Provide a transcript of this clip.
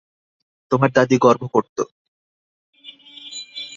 তোমার দাদী গর্ব করতো।